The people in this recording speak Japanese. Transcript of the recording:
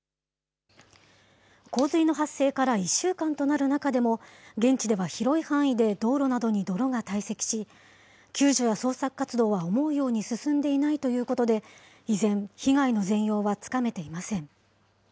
洪水の発生から１週間となる中でも、現地では広い範囲で道路などに泥が堆積し、救助や捜索活動は思うように進んでいないということで、依然、被害の全容はつかめていません。